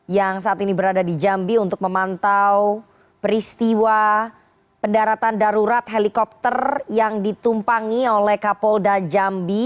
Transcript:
yang saat ini berada di jambi untuk memantau peristiwa pendaratan darurat helikopter yang ditumpangi oleh kapolda jambi